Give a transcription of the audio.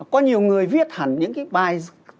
có nhiều người viết hẳn những cái bài